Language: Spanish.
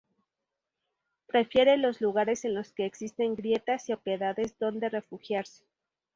Prefiere los lugares en los que existen grietas y oquedades donde refugiarse.